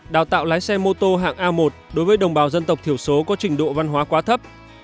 đào tạo lái xe mô tô hạng a một đối với đồng bào dân tộc thiểu số có trình độ văn hóa quá thấp